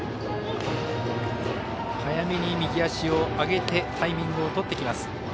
早めに右足を上げてタイミングをとってきます。